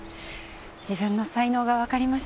自分の才能がわかりましたから。